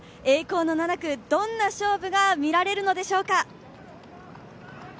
栄光の７区どんな勝負が見られるのでしょうか。